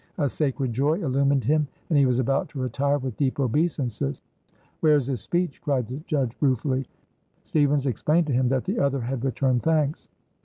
A sacred joy illumined him, and he was about to retire with deep obeisances. "Where is his speech?" cried the judge ruefuly. Stevens explained to him that the other had returned thanks.